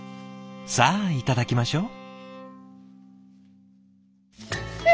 さあいただきましょう。